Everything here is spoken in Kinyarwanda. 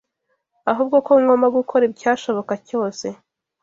ahubwo ko ngomba gukora icyashoboka cyose